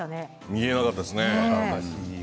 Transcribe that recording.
見えなかったですね。